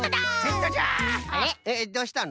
ええっどうしたの？